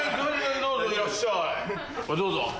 どうぞ。